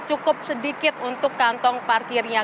saya bilang cukup sedikit untuk kantong parkirnya